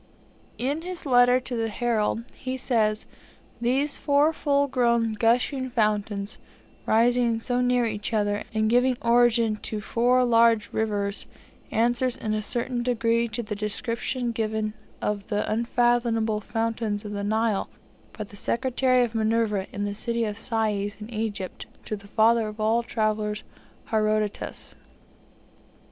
In his letter to the 'Herald' he says "These four full grown gushing fountains, rising so near each other, and giving origin to four large rivers, answer in a certain degree to the description given of the unfathomable fountains of the Nile, by the secretary of Minerva, in the city of Sais, in Egypt, to the father of all travellers Herodotus."